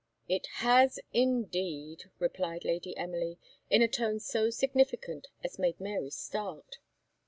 "It has indeed!" replied Lady Emily, in a tone so significant as made Mary start.